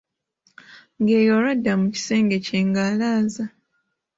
Nga ye olwo adda mu kisenge kye ng'alaaza.